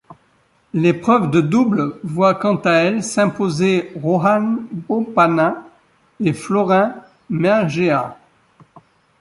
L'épreuve de double voit quant à elle s'imposer Rohan Bopanna et Florin Mergea.